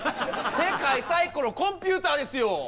世界最古のコンピューターですよ。